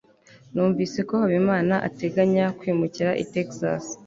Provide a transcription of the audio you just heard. numvise ko habimana ateganya kwimukira i texas